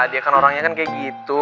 dia kan orangnya kan kayak gitu